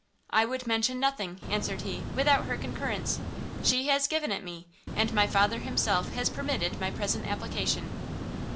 "I would mention nothing," answered he, "without her concurrence; she has given it me: and my father himself has permitted my present application."